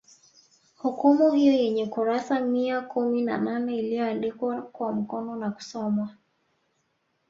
Hukumu hiyo yenye kurasa mia kumi na nane iliyoandikwa kwa mkono nakusomwa